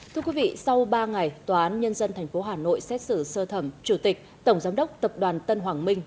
thưa quý vị sau ba ngày tòa án nhân dân tp hà nội xét xử sơ thẩm chủ tịch tổng giám đốc tập đoàn tân hoàng minh